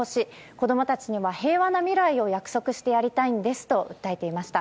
子供達には平和な未来を約束してやりたいんですと訴えていました。